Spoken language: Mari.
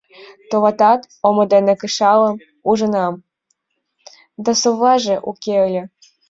Товатат, омо дене кышалым ужынам... да совлаже уке ыле...